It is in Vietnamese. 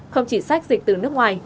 không chỉ sách dịch từ nước ngoài